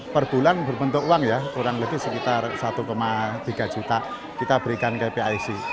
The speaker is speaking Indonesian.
per bulan berbentuk uang ya kurang lebih sekitar satu tiga juta kita berikan ke pic